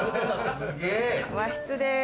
和室です。